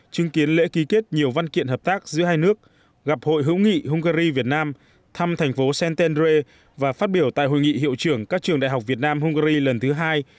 chứng kiến lễ ký kết nhiều văn kiện hợp tác giữa hai nước gặp hội hữu nghị hungary việt nam thăm thành phố santendre và phát biểu tại hội nghị hiệu trưởng các trường đại học việt nam hungary lần thứ hai